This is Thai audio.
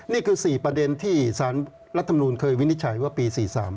นี่คือ๔ประเด็นที่สารรัฐมนูลเคยวินิจฉัยว่าปี๔๓